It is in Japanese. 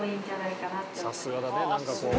さすがだね何かこう。